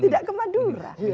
tidak ke madura